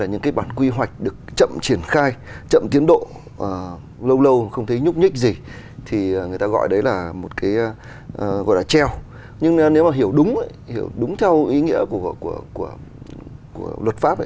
nhưng nếu mà hiểu đúng hiểu đúng theo ý nghĩa của luật pháp